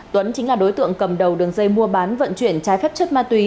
tuấn chính là đối tượng cầm đầu đường dây mua bán vận chuyển trái phép chất ma túy